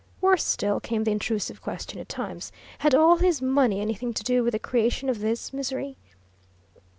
Worse still came the intrusive question at times: Had all his money anything to do with the creation of this misery?